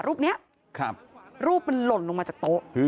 รูปนี้รูปมันหล่นลงมาจากโต๊ะ